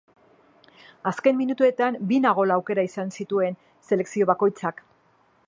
Azken minutuetan bina gol aukera izan zituen selekzio bakoitzak.